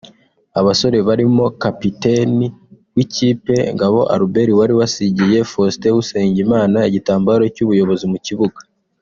Abasore barimo Kapiteni w’ikipe Ngabo Albert wari wasigiye Faustin Usengimana igitambaro cy’ubuyobozi mu kibuga